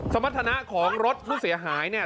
สมรรถนะของรถผู้เสียหายเนี่ย